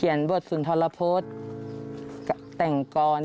เขียนบทสุนทรพจน์แต่งกรม